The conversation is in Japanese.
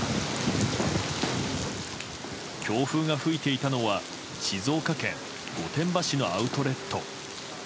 強風が吹いていたのは静岡県御殿場市のアウトレット。